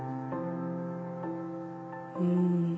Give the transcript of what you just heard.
うん。